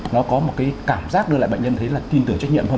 nó có một cái cảm giác đưa lại bệnh nhân thấy là tin tưởng trách nhiệm hơn